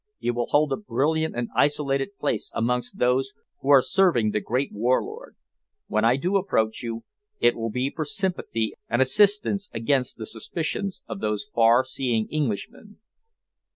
You will hold a brilliant and isolated place amongst those who are serving the great War Lord. When I do approach you, it will be for sympathy and assistance against the suspicions of those far seeing Englishmen!"